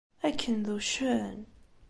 Akken d uccen!